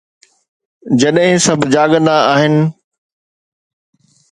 جڏهن سڀ جاڳندا آهن